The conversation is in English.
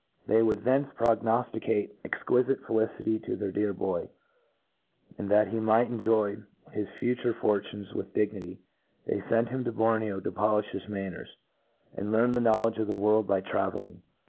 They would 'thence prognofticate exquifite felicity to their dear boy ; and that he might enjoy his fu ture fortunes with dignity, they fent him to Bor neo to poliih his manners, and learn the know » ledge of the world by travelling.